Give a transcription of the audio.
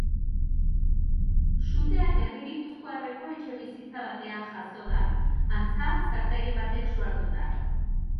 Sutea herri gipuzkoarreko etxebizitza batean jazo da, antza zartagin batek su hartuta.